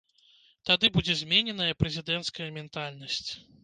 Тады будзе змененая прэзідэнцкая ментальнасць.